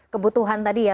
kebutuhan tadi ya